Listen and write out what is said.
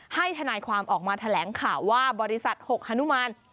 ทนายความออกมาแถลงข่าวว่าบริษัทหกฮานุมาน